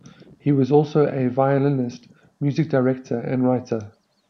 He was also a violinist, music director and writer.